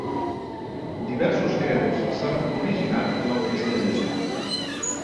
Diversos credos s'han originat en el cristianisme.